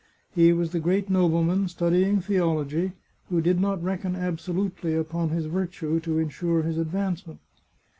He was the great nobleman studying the ology, who did not reckon absolutely upon his virtue to insure his advancement.